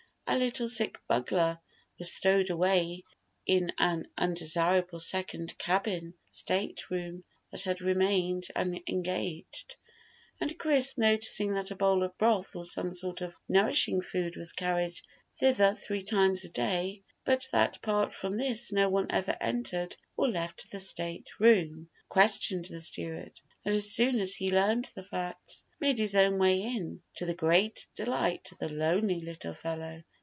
A little sick bugler was stowed away in an undesirable second cabin state room that had remained unengaged; and Chris, noticing that a bowl of broth or some sort of nourishing food was carried thither three times a day, but that apart from this no one ever entered or left the state room, questioned the steward, and as soon as he learned the facts, made his own way in, to the great delight of the lonely little fellow.